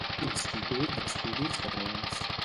Institut d'Estudis Catalans.